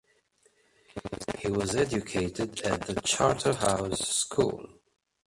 He was educated at the Charterhouse School.